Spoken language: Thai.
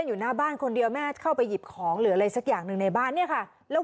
อยู่หน้าบ้านคนเดียวแม่เข้าไปหยิบของหรืออะไรสักอย่างหนึ่งในบ้านเนี่ยค่ะแล้ว